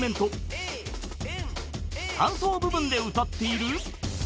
［間奏部分で歌っている］